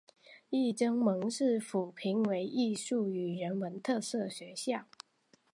亦曾蒙市府评为艺术与人文特色学校。